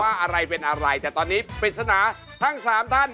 ว่าอะไรเป็นอะไรแต่ตอนนี้เป็นสนาทั้ง๓ท่าน